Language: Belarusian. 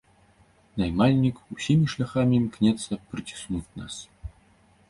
Наймальнік усімі шляхамі імкнецца прыціснуць нас.